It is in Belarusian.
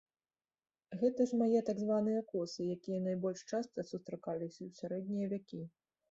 Гэты ж мае так званыя косы, якія найбольш часта сустракаліся ў сярэднія вякі.